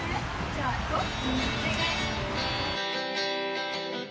じゃあ行こう。